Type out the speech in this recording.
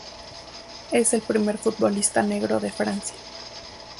Es el primer futbolista negro de Francia